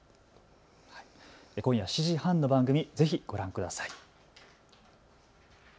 今夜７時半の番組ぜひ、ご覧ください。